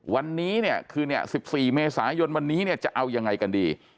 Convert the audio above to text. วันนี้คือ๑๔เมษายนวันนี้จะเอายังไงกันดี